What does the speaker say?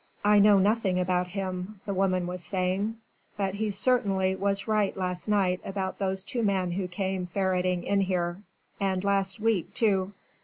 "I know nothing about him," the woman was saying, "but he certainly was right last night about those two men who came ferreting in here and last week too...."